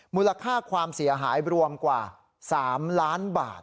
มูลค่าความเสียหายรวมกว่า๓ล้านบาท